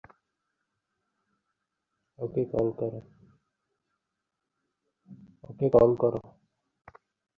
মনকে জানিবার জন্য উহাকে কিভাবে একাগ্র করা যায়, তাহাই বর্তমান বক্তৃতার বিষয়বস্তু।